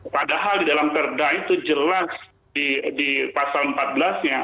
padahal di dalam perda itu jelas di pasal empat belas nya